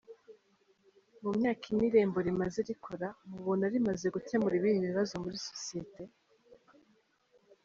Mu myaka ine Irembo rimaze rikora, mubona rimaze gukemura ibihe bibazo muri sosiyete?